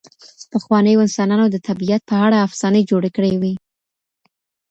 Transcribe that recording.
پخوانیو انسانانو د طبیعت په اړه افسانې جوړې کړې وې.